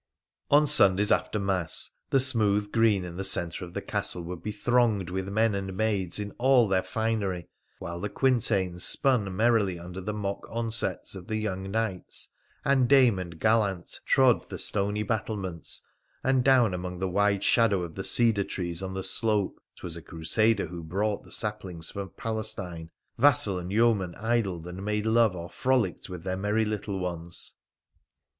On Sundays, after mass, the smooth green in the centre of the castle would be thronged with men and maids in all their finery ; while the quintains spun merrily under the mock onsets of the young knights, and dame and gallant trode the stony battlements, and down among the wide shadow of the cedar trees on the slope ('twas a Crusader who brought the saplings from Palestine) vassal and yeoman idled and made love or frolicked with their merry little ones.